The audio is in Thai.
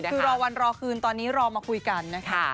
คือรอวันรอคืนตอนนี้รอมาคุยกันนะคะ